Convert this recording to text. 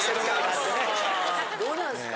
どうなんすか？